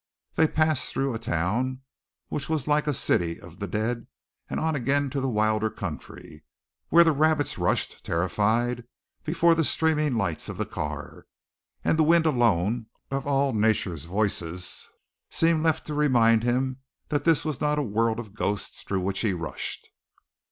They passed through a town, which was like a city of the dead, and on again to the wilder country, where the rabbits rushed, terrified, before the streaming lights of the car, and the wind alone, of all Nature's voices, seemed left to remind him that this was not a world of ghosts through which he rushed.